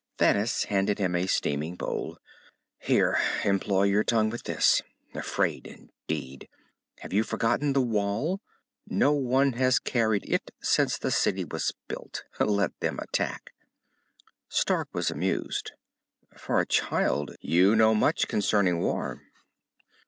Thanis handed him a steaming bowl. "Here employ your tongue with this. Afraid, indeed! Have you forgotten the Wall? No one has carried it since the city was built. Let them attack!" Stark was amused. "For a child, you know much concerning war."